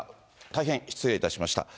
大変失礼いたしました。